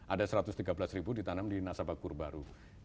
ada satu ratus tiga belas ribu ditanam di nasabah kur baru